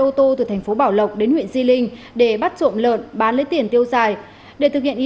ô tô từ thành phố bảo lộc đến huyện di linh để bắt trộm lợn bán lấy tiền tiêu dài để thực hiện ý